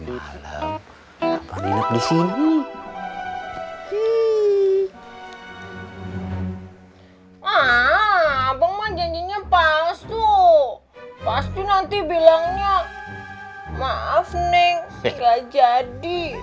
malam ngapain disini hihihi ah abang majaninya pas tuh pasti nanti bilangnya maaf neng nggak jadi